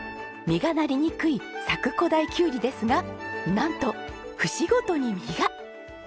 実がなりにくい佐久古太きゅうりですがなんと節ごとに実が！